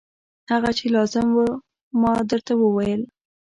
هغه چې لازم و ما درته وویل.